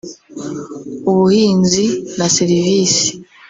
ubuhinzi na serivisi